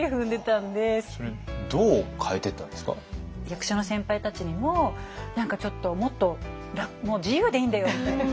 役者の先輩たちにも何かちょっともっと自由でいいんだよみたいな。